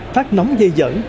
phát nóng dây dẫn